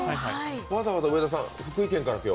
わざわざ上田さん、福井県から今日？